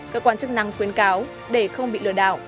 cơ quan chức năng khuyến cáo để không bị lừa đảo